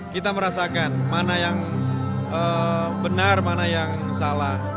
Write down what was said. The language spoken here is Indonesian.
kita merasakan mana yang benar mana yang salah